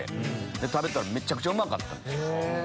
食べたらめちゃくちゃうまかったんですよ。